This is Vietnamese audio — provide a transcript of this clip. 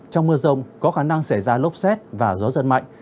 trong mưa rông có khả năng xảy ra lốc xét và gió giật mạnh